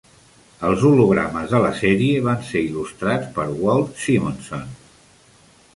Els hologrames de la sèrie van ser il·lustrats per Walt Simonson.